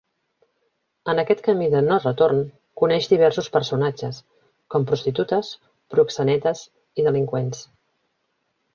En aquest camí de no retorn, coneix diversos personatges, com prostitutes, proxenetes i delinqüents.